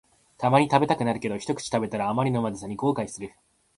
たまに食べたくなるけど、ひとくち食べたらあまりのまずさに後悔する